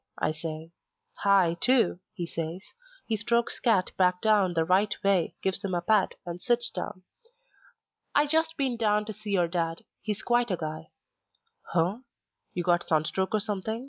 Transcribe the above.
I say. "Hi, too," he says. He strokes Cat back down the right way, gives him a pat, and sits down. "I just been down to see your dad. He's quite a guy." "Huh h h? You got sunstroke or something?